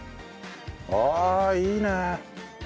ああいいね！